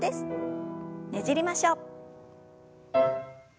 ねじりましょう。